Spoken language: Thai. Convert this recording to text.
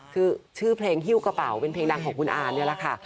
คือชื่อเพลงฮิ้วกระเป๋าเป็นเพลงดังของคุณอานี่แหละค่ะ